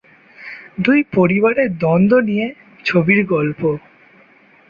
দুই পরিবারের দ্বন্দ্ব নিয়ে ছবির গল্প।